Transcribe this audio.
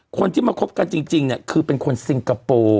คนที่มาคบกันจริงเนี่ยคือเป็นคนซิงคโปร์